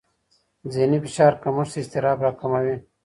ذهني فشار کمښت اضطراب راکموي.